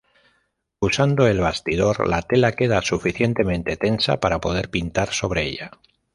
Usando el bastidor, la tela queda suficientemente tensa para poder pintar sobre ella.